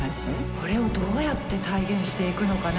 これをどうやって体現していくのかな